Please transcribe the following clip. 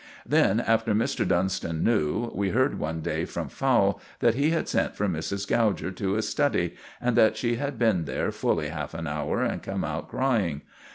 Then, after Dr. Dunston knew, we heard one day from Fowle that he had sent for Mrs. Gouger to his study, and that she had been there fully half an hour and come out crying.